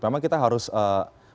memang kita harus mempelajari ya